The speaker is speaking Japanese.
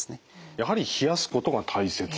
やはり冷やすことが大切と。